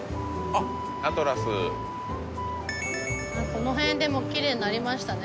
この辺でもきれいになりましたね